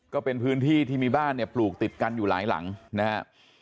ก็เป็นพื้นที่ที่มีบ้านเนี่ยปลูกติดกันอยู่หลายหลังนะครับ